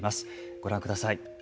ご覧ください。